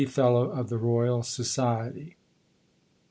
Fellow of the Royal Society.